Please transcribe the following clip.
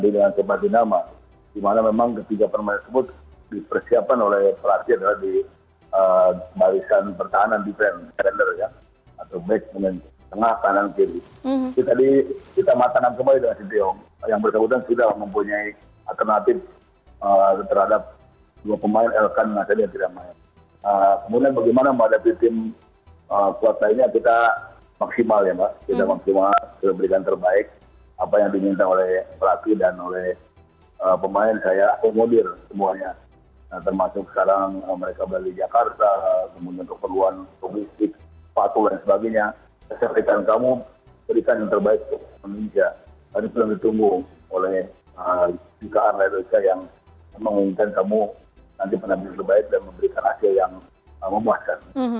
dan saya berikan yang terbaik untuk indonesia